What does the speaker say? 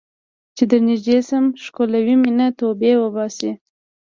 چې درنږدې شم ښکلوې مې نه ، توبې وباسې